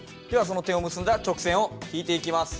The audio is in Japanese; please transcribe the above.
その点を結んだ直線を引いていきます。